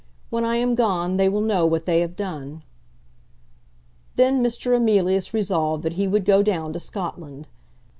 When I am gone, they will know what they have done." Then Mr. Emilius resolved that he would go down to Scotland.